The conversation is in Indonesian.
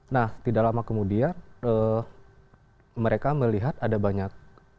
nah tidak lama kemudian mereka melihat ada banyak